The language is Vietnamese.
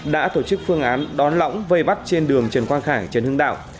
đã tổ chức phương án đón lõng vây bắt trên đường trần quang khải trần hưng đạo